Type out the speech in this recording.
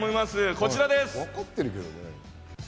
こちらです。